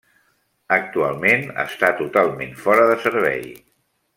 Actualment està totalment fora de servei.